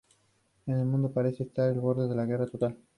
El mundo parece estar al borde de la guerra total.